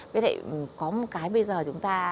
có một cái bây giờ chúng ta